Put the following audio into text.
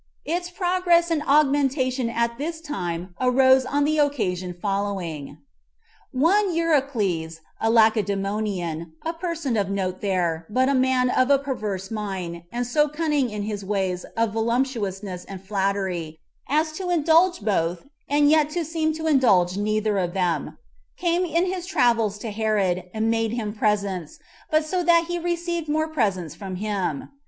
Its progress and augmentation at this time arose on the occasion following: One Eurycles, a Lacedemonian, [a person of note there, but a man of a perverse mind, and so cunning in his ways of voluptuousness and flattery, as to indulge both, and yet seem to indulge neither of them,] came in his travels to Herod, and made him presents, but so that he received more presents from him.